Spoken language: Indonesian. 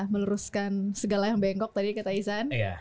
meluruskan segala yang bengkok tadi kata isan